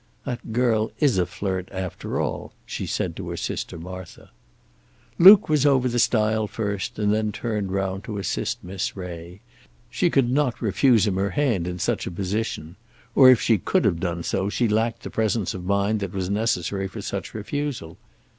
"That girl is a flirt, after all," she said to her sister Martha. Luke was over the stile first, and then turned round to assist Miss Ray. She could not refuse him her hand in such a position; or if she could have done so she lacked the presence of mind that was necessary for such refusal.